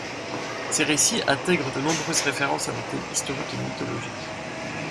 Ses récits intègrent de nombreuses références à des thèmes historiques et mythologiques.